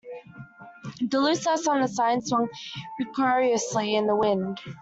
The loose S on the sign swung precariously in the wind.